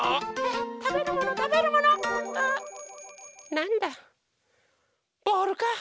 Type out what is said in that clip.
なんだボールか！